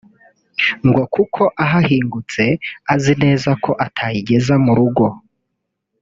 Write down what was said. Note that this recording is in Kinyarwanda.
ngo kuko ahahingutse azi neza ko atayigeza mu rugo